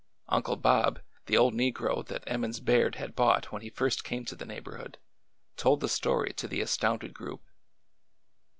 Uncle Bob, the old negro that Emmons Baird had bought when he first came to the neighborhood, told the story to the astounded group.